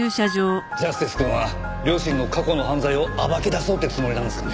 正義くんは両親の過去の犯罪を暴き出そうってつもりなんですかね？